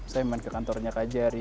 saya main ke kantornya kajari